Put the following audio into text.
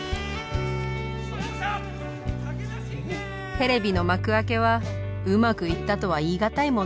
テレビの幕開けはうまくいったとは言い難いものだったそうです